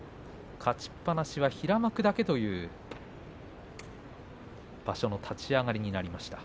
勝ちっぱなしは平幕だけという場所の立ち上がりになりました。